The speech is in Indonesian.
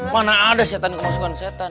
mana ada setan kemasukan setan